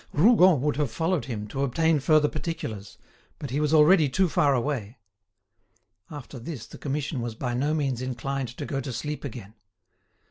Rougon would have followed him, to obtain further particulars, but he was already too far away. After this the Commission was by no means inclined to go to sleep again.